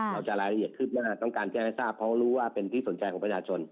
รายละเอียดคืบหน้าต้องการแจ้งให้ทราบเพราะรู้ว่าเป็นที่สนใจของประชาชน